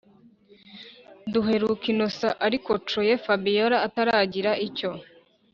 duheruka innocent arikocoye fabiora ataragira icyo